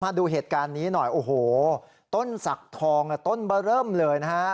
มาดูเหตุการณ์นี้หน่อยโอ้โหต้นศักดิ์ทองต้นเบอร์เริ่มเลยนะฮะ